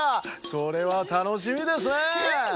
それはたのしみですね！